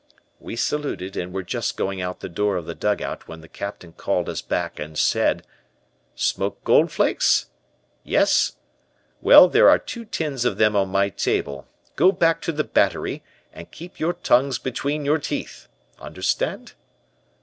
"We saluted, and were just going out the door of the dugout when the Captain called us back, and said: "'Smoke Goldflakes? Yes? Well there are two tins of them on my table. Go back to the battery, and keep your tongues between your teeth. Understand?'